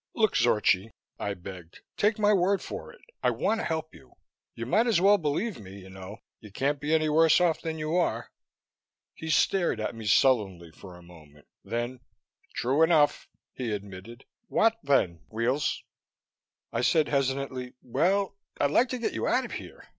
"Look, Zorchi," I begged, "take my word for it I want to help you. You might as well believe me, you know. You can't be any worse off than you are." He stared at me sullenly for a moment. Then, "True enough," he admitted. "What then, Weels?" I said hesitantly, "Well, I'd like to get you out of here...."